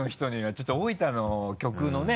ちょっと大分の局のね